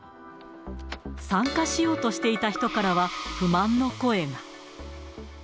参加しようとしていた人からは、不満の声が。